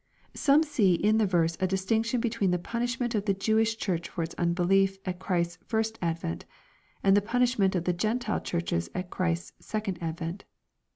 Some see in the verse a distinction between the punishment of the Jewish Church for its unbelief at Christ's first advent^ and the punishment of the Gentile Churches at Christ's second advent.